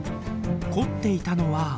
凝っていたのは。